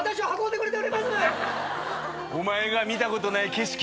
お前が見たことない景色。